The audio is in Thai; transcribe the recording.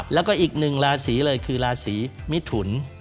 แล้วก็อีกหนึ่งราศีเลยคือราศีมิถุน